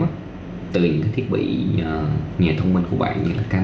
từ những cái thiết bị nhà thông minh của bạn như là camera